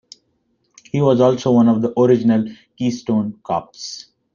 He was also one of the original Keystone Kops.